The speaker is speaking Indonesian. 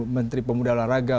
menteri pemuda olahraga